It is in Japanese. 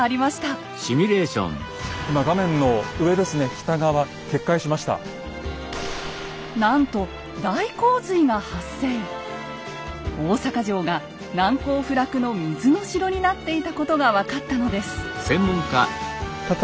大坂城が難攻不落の水の城になっていたことが分かったのです。